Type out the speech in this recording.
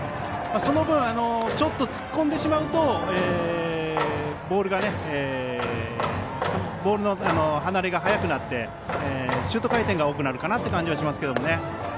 その分、ちょっと突っ込んでしまうとボールの離れが早くなってシュート回転が多くなるかなと思いますけどね。